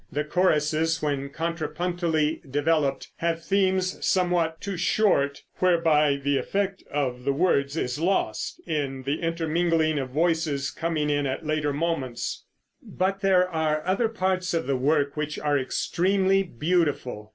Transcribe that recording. The choruses when contrapuntally developed, have themes somewhat too short, whereby the effect of the words is lost in the intermingling of voices coming in at later moments, but there are other parts of the work which are extremely beautiful.